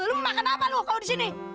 lo makan apa lo kalau di sini